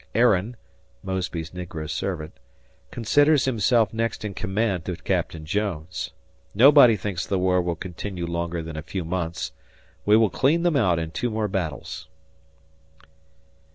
Aaron [Mosby's negro servant] considers himself next in command to Captain Jones. ... Nobody thinks the war will continue longer than a few months. We will clean them out in two more battles.